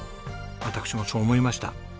私もそう思いました。